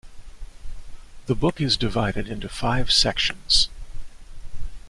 The book is divided into five sections.